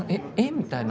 みたいな。